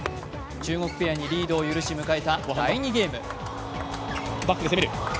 中国ペアにリードを許し迎えた第２ゲーム。